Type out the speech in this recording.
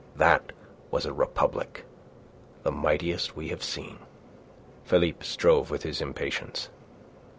That was a republic; the mightiest we have seen." Philippe strove with his impatience.